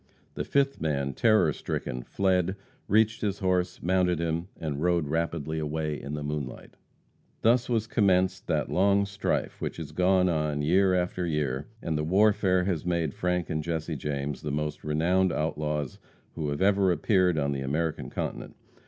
The fifth man, terror stricken, fled, reached his horse, mounted him, and rode rapidly away in the moonlight. Thus was commenced that long strife which has gone on year after year, and the warfare has made Frank and Jesse James the most renowned outlaws who have ever appeared on the American continent.